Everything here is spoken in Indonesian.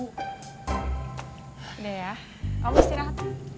udah ya kamu istirahat